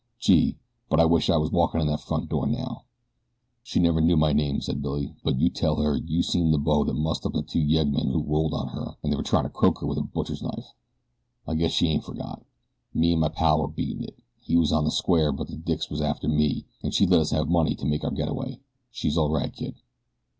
Gee! but I wish I was walkin' in the front door now." "She never knew my name," said Billy; "but you tell her you seen the bo that mussed up the two yeggmen who rolled her an' were tryin' to croak her wit a butcher knife. I guess she ain't fergot. Me an' my pal were beatin' it he was on the square but the dicks was after me an' she let us have money to make our get away. She's all right, kid."